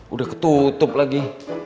udah ketutup lagi